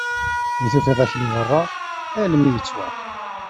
Ma tufiḍ akli werreɣ, armi ittwaɣ.